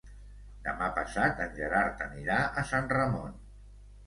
Demà passat en Gerard anirà a Sant Ramon.